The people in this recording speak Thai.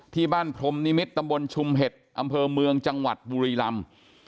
พรมนิมิตรตำบลชุมเห็ดอำเภอเมืองจังหวัดบุรีลำ